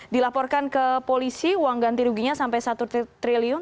dilaporkan ke polisi uang ganti ruginya sampai satu triliun